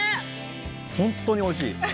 本当においしい。